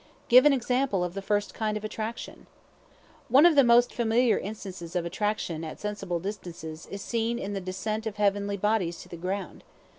Give an example of the first kind of attraction. One of the most familiar instances of attraction at sensible distances is seen in the descent of heavy bodies to the ground.